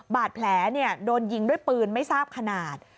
บาดแผลโดนยิงด้วยปืนไม่ทราบขนาด